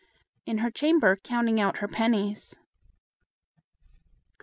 "In her chamber, counting out her pennies."